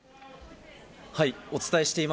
はい。